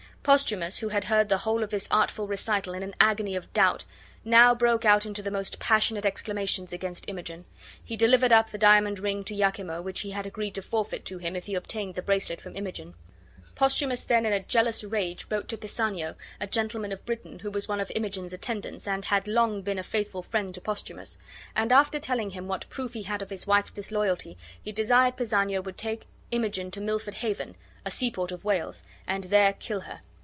Posthumus, who had heard the whole of this artful recital in an agony of doubt, now broke out into the most passionate exclamations against Imogen. He delivered up the diamond ring to Iachimo which he had agreed to forfeit to him if he obtained the bracelet from Imogen. Posthumus then in a jealous rage wrote to Pisanio, a gentleman of Britain, who was one of Imogen's attendants, and had long been a faithful friend to Posthumus; and after telling him what proof he had of his wife's disloyalty, he desired Pisanio would take Imogen to Milford Haven, a seaport of Wales, and there kill her.